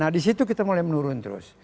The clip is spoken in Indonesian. nah di situ kita mulai menurun terus